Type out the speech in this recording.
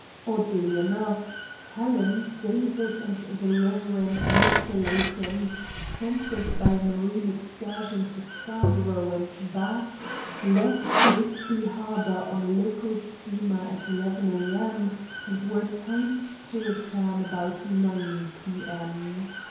Oddly enough, Helen, David, and the Rev. Mr. Layton, tempted by a marine excursion to Scarborough and back, left Whitby Harbour on a local steamer at 11 a.m., and were timed to return about 9 p.m.